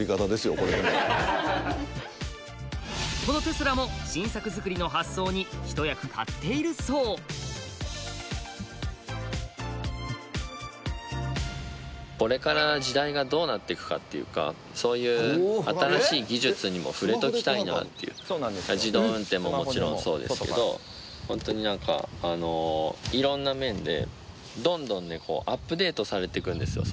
このテスラも新作づくりの発想に一役買っているそうこれから時代がどうなっていくかっていうかそういう新しい技術にも触れときたいなっていう自動運転ももちろんそうですけどホントに何か色んな面でどんどんねこうアップデートされていくんですよ